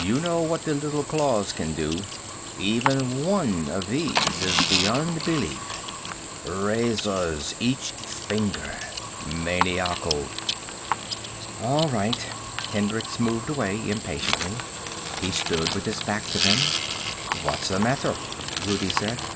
You know what the little claws can do. Even one of these is beyond belief. Razors, each finger. Maniacal." "All right." Hendricks moved away impatiently. He stood with his back to them. "What's the matter?" Rudi said.